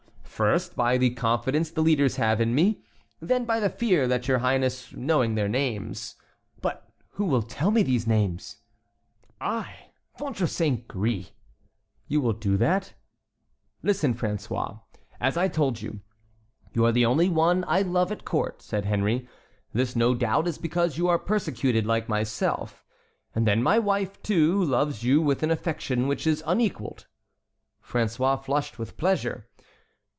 "First, by the confidence the leaders have in me; then by the fear that your highness, knowing their names"— "But who will tell me these names?" "I, ventre saint gris!" "You will do that?" "Listen, François; as I told you, you are the only one I love at court," said Henry. "This, no doubt, is because you are persecuted like myself; and then my wife, too, loves you with an affection which is unequalled"— François flushed with pleasure.